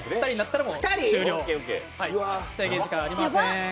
制限時間はありません。